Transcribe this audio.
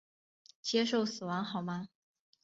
接受死亡好吗？